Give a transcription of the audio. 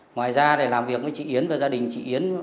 ngoài ra để làm việc với chị yến và gia đình chị yến